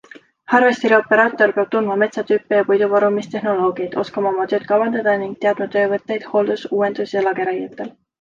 Harvesterioperaator peab tundma metsatüüpe ja puiduvarumistehnoloogiaid, oskama oma tööd kavandada ning teadma töövõtteid hooldus-, uuendus- ja lageraietel.